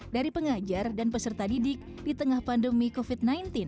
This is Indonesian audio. dari pengajar dan peserta didik di tengah pandemi covid sembilan belas